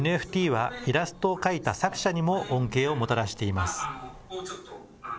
ＮＦＴはイラストを描いた作者にも恩恵をもたらしています。